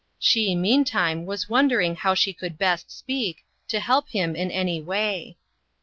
She, meantime, was wondering how she could best speak, to help him in any way.